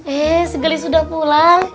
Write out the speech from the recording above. eh segali sudah pulang